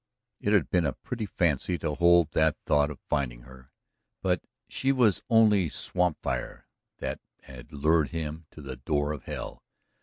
It had been a pretty fancy to hold, that thought of finding her, but she was only swamp fire that had lured him to the door of hell.